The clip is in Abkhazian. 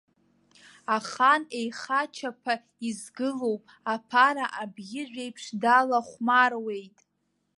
Ахан еихачаԥа изгылоуп, аԥара абӷьыжә еиԥш далахәмаруеит.